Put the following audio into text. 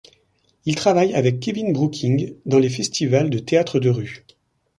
Il travaille avec Kevin Brooking dans les festivals de théâtre de rue.